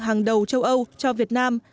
hàng đầu châu âu cho việt nam